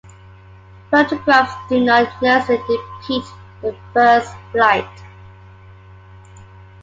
Photographs do not necessarily depict the first flight.